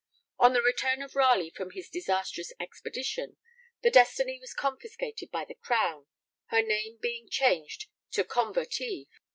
On the return of Ralegh from his disastrous expedition, the Destiny was confiscated by the Crown, her name being changed to Convertive.